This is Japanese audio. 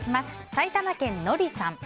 埼玉県の方。